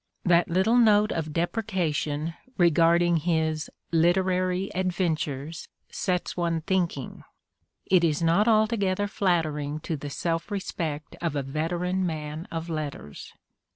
That little note of deprecation regarding his "literary adventures" sets one thinking. It is not alto gether flattering to the self respect of a veteran man of letters !